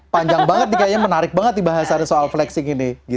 panjang banget nih kayaknya menarik banget di bahasannya soal flexing ini